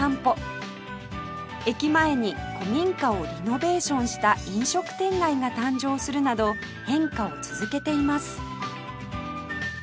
駅前に古民家をリノベーションした飲食店街が誕生するなど変化を続けています